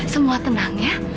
semua tenang ya